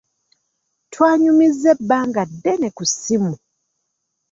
Twanyumizza ebbanga ddene ku ssimu.